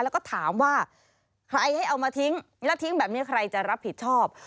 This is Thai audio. แล้วก็ถามว่าใครให้เอามาทิ้งแล้วทิ้งแบบนี้ใครจะรับผิดชอบ